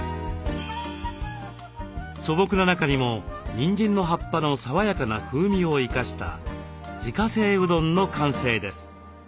素朴な中にもにんじんの葉っぱの爽やかな風味を生かした自家製うどんの完成です。